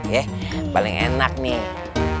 ya paling enak nih